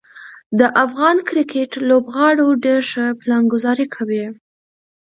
د افغان کرکټ لوبغاړو ډیر ښه پلانګذاري کوي.